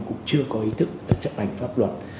cũng chưa có ý thức chấp hành pháp luật